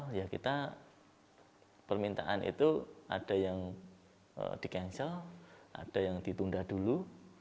sejak pandemi awal permintaan itu ada yang di cancel ada yang ditunda dulu